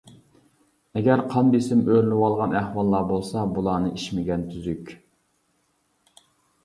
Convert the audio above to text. ئەگەر قان بېسىم ئۆرلىۋالغان ئەھۋاللار بولسا بۇلارنى ئىچمىگەن تۈزۈك.